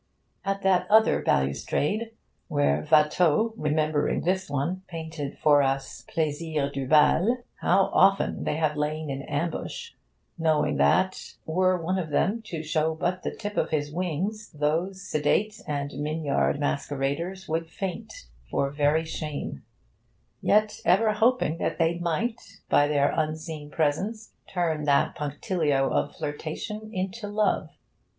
At that other balustrade, where Watteau, remembering this one, painted for us the 'Plaisirs du Bal,' how often they have lain in ambush, knowing that were one of them to show but the tip of his wings those sedate and migniard masqueraders would faint for very shame; yet ever hoping that they might, by their unseen presence, turn that punctilio of flirtation into love.